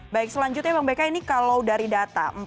baik selanjutnya bang beka ini kalau dari data